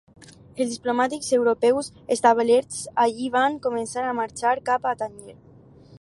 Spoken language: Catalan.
Els diplomàtics europeus establerts allí van començar a marxar cap a Tànger.